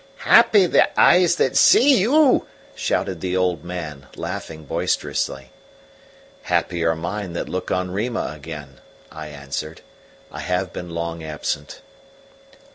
"Happy the eyes that see you!" shouted the old man, laughing boisterously. "Happy are mine that look on Rima again," I answered. "I have been long absent."